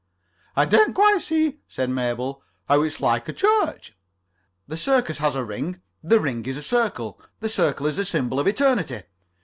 "I don't quite see," said Mabel, "how it's like a church." "The circus has a ring. The ring is a circle. The circle is the symbol of eternity.